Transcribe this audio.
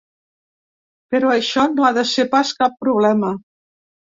Però això no ha de ser pas cap problema.